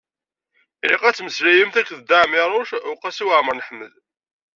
Ilaq ad temmeslayemt akked Dda Ɛmiiruc u Qasi Waɛmer n Ḥmed.